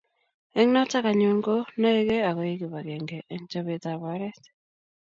eng' notok anyun ko naegei akoek kibagenge eng' chobet ab oret